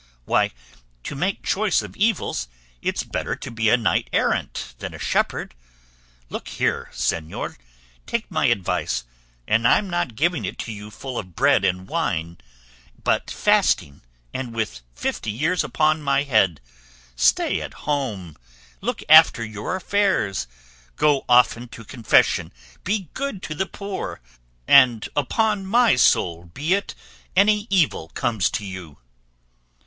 Why, to make choice of evils, it's better to be a knight errant than a shepherd! Look here, señor; take my advice and I'm not giving it to you full of bread and wine, but fasting, and with fifty years upon my head stay at home, look after your affairs, go often to confession, be good to the poor, and upon my soul be it if any evil comes to you."